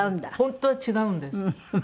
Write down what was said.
本当は違うんです。